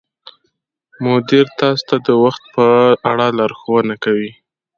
مدیر تاسو ته د وخت په اړه لارښوونه کوي.